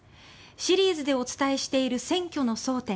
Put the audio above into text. シリーズでお伝えしている選挙の争点。